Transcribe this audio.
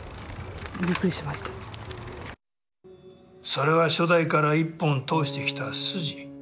それは初代から一本を通してきた筋。